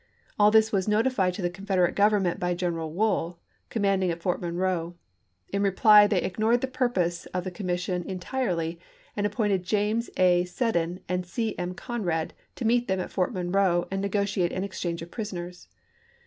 All this was notified to the Confederate Government by Gen eral Wool, commanding at Fort Monroe. In reply they ignored the purpose of the commission en tirely, and appointed James A0 Seddon and C. M. Conrad to meet them at Fort Monroe and nego tiate an exchange of prisoners.